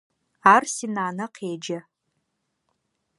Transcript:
Ар синанэ къеджэ.